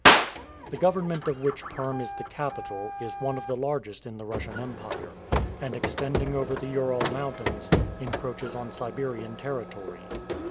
The government of which Perm is the capital is one of the largest in the Russian Empire, and, extending over the Ural Mountains, encroaches on Siberian territory.